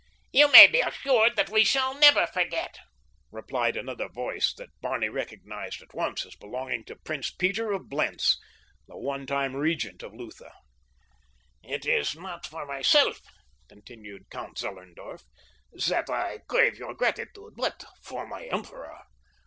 "You may be assured that we shall never forget," replied another voice that Barney recognized at once as belonging to Prince Peter of Blentz, the one time regent of Lutha. "It is not for myself," continued Count Zellerndorf, "that I crave your gratitude, but for my emperor.